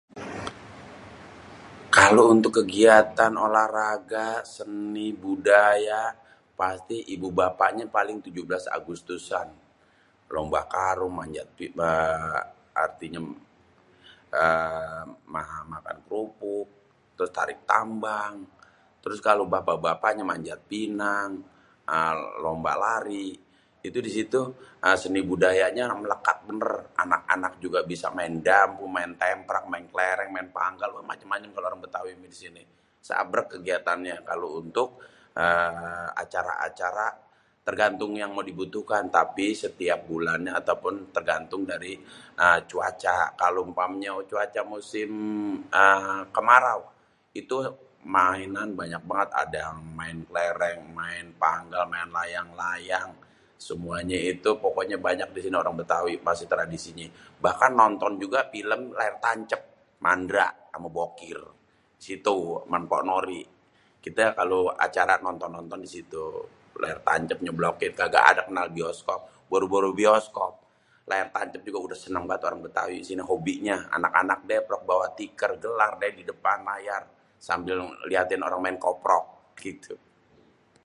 Kalo untuk kegiatan olahraga seni budaya paling ibu bapaknyé paling 17 agustusan lomba karung, aa.. artinya makan kerupuk, terus tarik tambang. terus kalo bapak-bapaknyé manjat pinang, lomba lari, itu disitu seni budayanya mêlvkat bênêr anak-anak juga bisa maén dadu, maén temprak, maén kléréng, maén panggal kalo orang betawi macem-macem disini seabrêk kegiatannya kalo untuk acara-acara tergantung yang mau dibutuhkan tapi setiap bulannya ataupun tergantung dari cuaca kalo umpanya cuaca musim kemarau itu mainan banyak banget ada main kléréng, maén panggal, maén layang-layang, semua itu pokoknya banyak disini orang bètawi masih tradisinya bahkan nonton juga film layar tancêp mandra sama bokir situ sama mpok nori kité kalo acara nonton-nonton disitu layar tancép kaga ade kenal bioskop. boro-boro bioskop layar tancép juga udah sénéng banget disini hoby nya anak-anak deprok deh bawa tikér gelardêh didepan layar sambil liatin orang main koprok gitu hêêê...